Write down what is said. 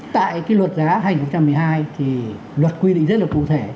tại cái luật giá hai nghìn một mươi hai thì luật quy định rất là cụ thể